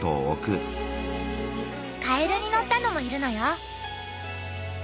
カエルに乗ったのもいるのよ。